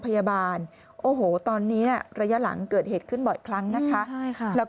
พยาบาลโอ้โหตอนนี้ระยะหลังเกิดเหตุขึ้นบ่อยครั้งนะคะใช่ค่ะแล้ว